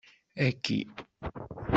Aki!